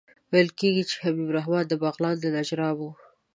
ویل کېږي چې حبیب الرحمن د بغلان د نجراب وو.